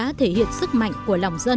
đã thể hiện sức mạnh của lòng dân